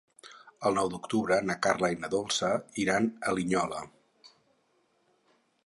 El nou d'octubre na Carla i na Dolça iran a Linyola.